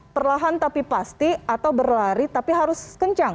perlahan tapi pasti atau berlari tapi harus kencang